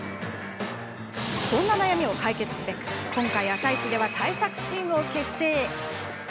そんな悩みを解決すべく今回、「あさイチ」では対策チームを結成。